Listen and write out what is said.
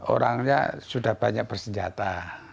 orangnya sudah banyak bersenjata